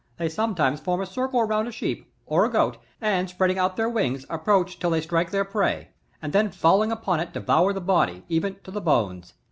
They sometimes form a circle around a sheep, or a goat, and, spreading out their wings approach till they strike their prey, and then falling upon it, devour the body, even to the bones.